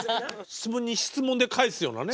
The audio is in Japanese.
質問に質問で返すようなね。